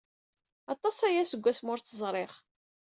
Aṭas aya seg wasmi ur tt-ẓriɣ.